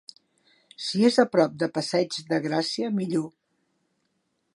Si és aprop de Passeig de gràcia, millor.